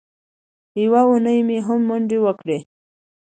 یوه اونۍ مې هم منډې وکړې.